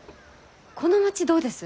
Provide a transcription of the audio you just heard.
この町どうです？